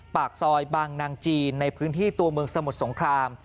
ปากซอยบางนางจีนในพื้นที่ตัวเมืองสมุทรสงคราม